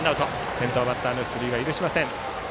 先頭バッターの出塁を許しません。